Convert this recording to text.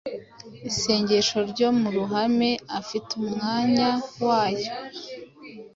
isengesho ryo mu ruhame afite umwanya wayo.